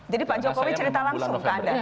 jadi pak jokowi cerita langsung ke anda